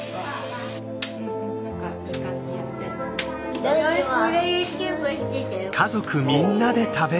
いただきます。